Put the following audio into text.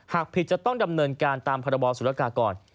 หากผิดจะต้องดำเนินการตามพรบสุรกากร